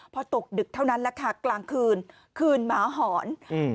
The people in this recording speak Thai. พอตกดึกเท่านั้นแหละค่ะกลางคืนคืนหมาหอนอืม